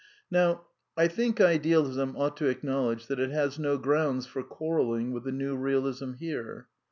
'^ !N'ow I think Idealism ought to acknowledge that it has no grounds for quarrelling with the New Bealism here.